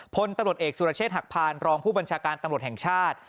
พลตำรวจเอกสุรเชษฐหักพานรองผู้บัญชาการตำรวจแห่งชาติ